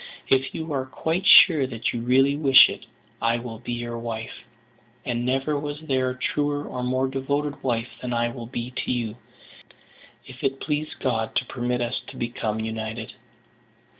If you are quite sure that you really wish it, I will be your wife; and never was there a truer or more devoted wife than I will be to you, if it please God to permit us to become united."